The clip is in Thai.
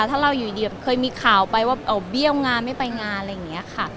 ถ้าเราอยู่ดีเคยมีข่าวไปว่าเบี้ยวงานไม่ไปงานอะไรอย่างนี้ค่ะ